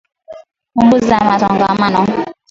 Punguza msongamano